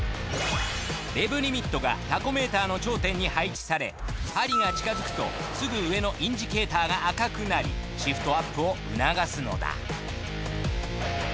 レブリミットがタコメーターの頂点に配置され針が近づくとすぐ上のインジケーターが赤くなりシフトアップを促すのだ